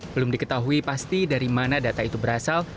belum diketahui pasti dari mana data itu berasal